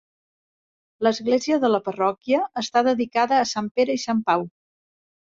L'església de la parròquia està dedicada a Sant Pere i Sant Pau.